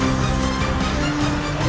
nyai yang menarik